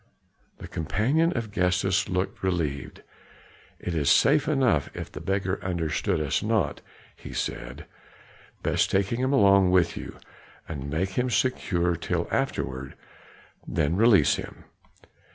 The companion of Gestas looked relieved. "It is safe enough if the beggar understood us not," he said. "Best take him along with you and make him secure till afterward; then release him."